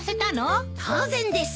当然です。